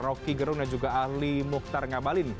roky gerung dan juga ahli mukhtar ngabalin